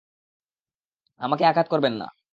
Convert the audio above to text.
আমাকে আঘাত করবেন না।